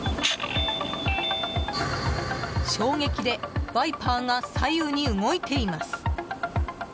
衝撃でワイパーが左右に動いています。